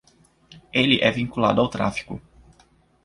Ele é vinculado ao tráfico.